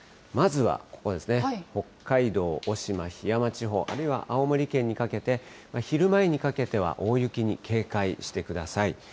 まずはここですね、北海道渡島、ひやま地方、あるいは青森県にかけて、昼前にかけては大雪に警戒してください。